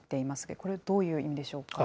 これはどういう意味でしょうか。